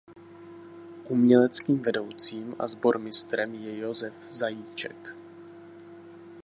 Uměleckým vedoucím a sbormistrem je Josef Zajíček.